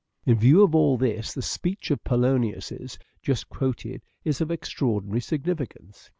In view of all this the speech of Polonius's just quoted is of extraordinary significance.